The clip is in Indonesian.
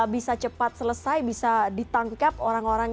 bisa cepat selesai bisa ditangkap orang orang